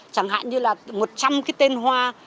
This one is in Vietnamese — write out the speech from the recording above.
chẳng hạn như là một trăm linh cái tên hoa